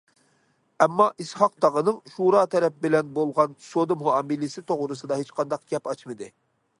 ئەمما ئىسھاق تاغىنىڭ شورا تەرەپ بىلەن بولغان سودا مۇئامىلىسى توغرىسىدا ھېچقانداق گەپ ئاچمىدى.